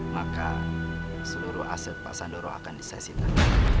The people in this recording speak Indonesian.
maka seluruh aset pak sandoro akan disesikan